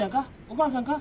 お母さんか？